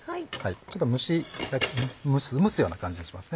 ちょっと蒸すような感じにします